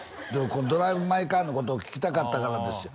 この「ドライブ・マイ・カー」のことを聞きたかったからですよ